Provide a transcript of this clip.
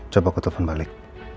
coba aku telepon balik